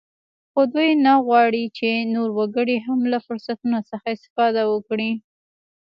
خو دوی نه غواړ چې نور وګړي هم له فرصتونو څخه استفاده وکړي